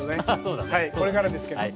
これからですけど。